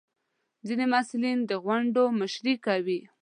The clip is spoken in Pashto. ځینې محصلین د غونډو مشري کوي.